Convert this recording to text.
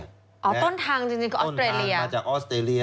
อ๋อต้นทางจริงกับออสเตรเลีย